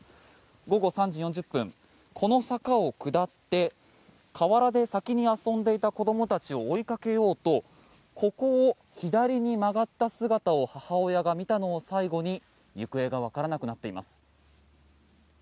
午後３時４０分、この坂を下って河原で先に遊んでいた子どもたちを追いかけようとここを左に曲がった姿を母親が見たのを最後に行方がわからなくなっています。